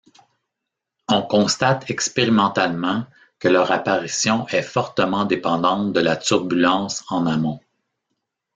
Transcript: On constate expérimentalement que leur apparition est fortement dépendante de la turbulence en amont.